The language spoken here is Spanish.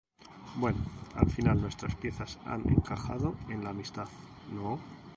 bueno, al final nuestras piezas han encajado en la amistad, ¿ no?